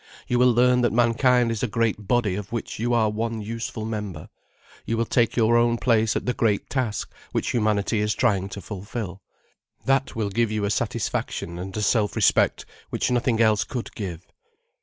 You will learn that mankind is a great body of which you are one useful member, you will take your own place at the great task which humanity is trying to fulfil. That will give you a satisfaction and a self respect which nothing else could give."